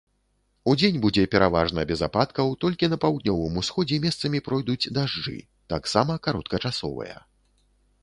Удзень будзе пераважна без ападкаў, толькі на паўднёвым усходзе месцамі пройдуць дажджы, таксама кароткачасовыя.